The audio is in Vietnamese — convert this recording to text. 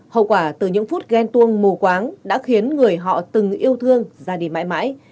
hậu quả từ những phút ghen tuông mù quáng đã khiến người họ từng yêu thương ra đi mãi mãi